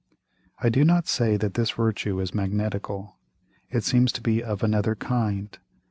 I do not say that this Virtue is magnetical: It seems to be of another kind.